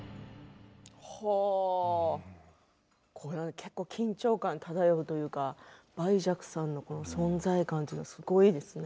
結構、緊張感漂うというか梅雀さんの存在感というのはすごいですね。